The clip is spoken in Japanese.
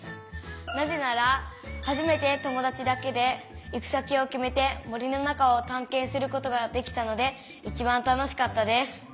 なぜなら初めて友だちだけで行き先を決めて森の中を探検することができたので一番楽しかったです。